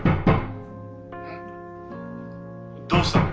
どうしたの？